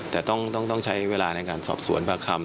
แต่ต้องใช้เวลาในการสอบสวนปากคำ